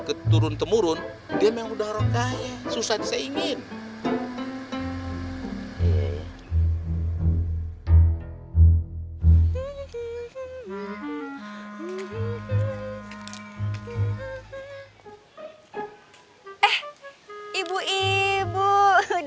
keturun temurun dia memang sudah orang kaya susah di seingin eh ibu ibu udah